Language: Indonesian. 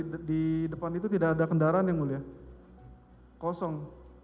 tidak ada kendaraan di depan itu tidak ada kendaraan ya mulia kosong